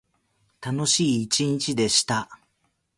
楽しい一日でした。